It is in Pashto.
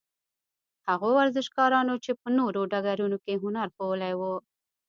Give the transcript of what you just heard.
هغو ورزشکارانو چې په نورو ډګرونو کې هنر ښوولی وو.